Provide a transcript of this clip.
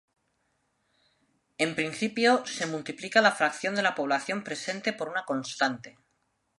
En principio se multiplica la fracción de la población presente por una constante.